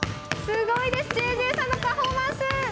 すごいです、ＪＪさんのパフォーマンス。